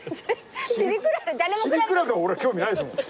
千里比べは俺は興味ないですもん。